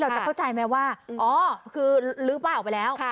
จะเข้าใจไหมว่าอ๋อคือลื้อป้าออกไปแล้ว